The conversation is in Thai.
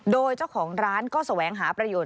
โดยเจ้าของร้านก็แสวงหาประโยชน